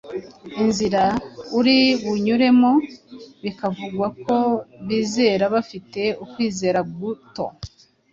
inzira uri bunyuremo,… bikavugwa ku bizera bafite ukwizera guto…